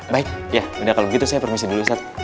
baik ya sudah kalau begitu saya permisi dulu ustadz